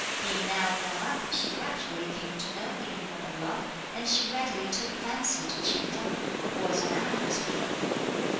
Being now grown up she gradually came to know the import of love, and she readily took a fancy to Ch'in Chung, who was an amorous being.